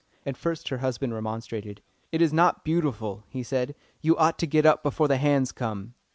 At first her husband remonstrated. "It is not beautiful," he said. "You ought to get up before the 'hands' come."